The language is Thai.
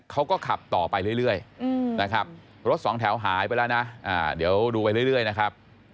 เขาก็ขับต่อไปเรื่อยนะครับรถสองแถวหายไปแล้วนะเดี๋ยวดูไปเรื่อยนะครับ